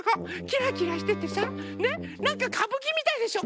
キラキラしててさねなんかかぶきみたいでしょ。